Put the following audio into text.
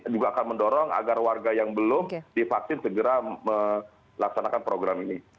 juga akan mendorong agar warga yang belum divaksin segera melaksanakan program ini